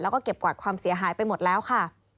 แล้วก็เก็บกวาดความเสียหายไปหมดแล้วค่ะ